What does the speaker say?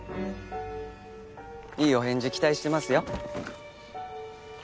いいお返事期待してますよ。